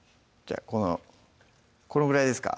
このぐらいですか？